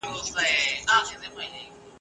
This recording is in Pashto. د سیتار تارونه پرې دي د رباب لړمون ختلی !.